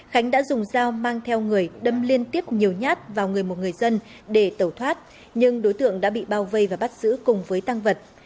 khánh đã dùng dao mang theo người đâm liên tiếp nhiều nhát vào người một người dân để tẩu thoát nhưng đối tượng đã bị bao vây và bắt giữ cùng với tăng vật